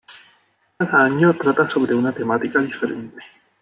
Cada año trata sobre una temática diferente.